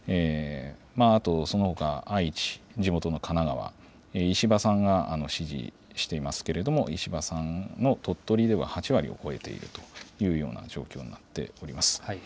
あとそのほか愛知、地元の神奈川、石破さんが支持していますけれども、石破さんの鳥取では８割を超えているというような状況になっております。